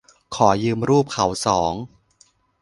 ขอยืมรูปเขาสอง